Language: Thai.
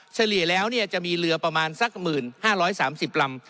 เฉลี่ยแล้วเนี่ยจะมีเหลือประมาณสักหมื่น๕๓๐ลำ